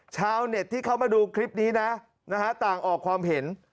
ชาวเน็ตที่เขามาดูคลิปนี้นะต่างออกความเห็น